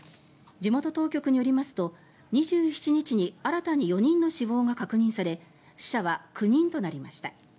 地元当局によりますと、２７日に新たに４人の死亡が確認され死者は９人となりました。